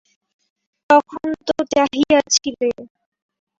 তখন তো চাহিয়াছিলে।